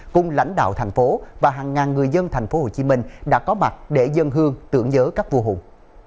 cùng lãnh đạo thành phố và hàng ngàn người dân thành phố hồ chí minh đã có mặt để dân hương tưởng nhớ các vua hùng